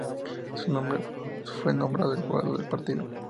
Fue nombrado el jugador del partido.